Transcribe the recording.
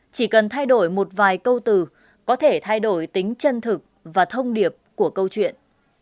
chỉ cần thay đổi một vài câu từ có thể thay đổi tính chân thực và thông điệp của câu chuyện